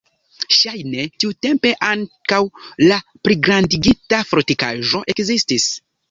Ŝajne tiutempe ankaŭ la pligrandigita fortikaĵo ekzistis.